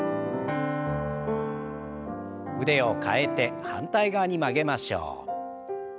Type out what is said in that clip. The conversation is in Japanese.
腕を替えて反対側に曲げましょう。